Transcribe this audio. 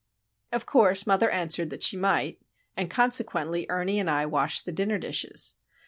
Of course, mother answered that she might, and consequently Ernie and I washed the dinner dishes.